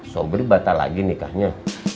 soberi batah lagi nikahnya